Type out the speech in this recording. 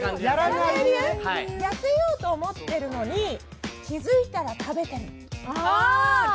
痩せようと思ってるのに、気付いたら食べてる。